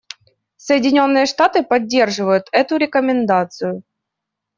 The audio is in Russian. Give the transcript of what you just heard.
Соединенные Штаты поддерживают эту рекомендацию.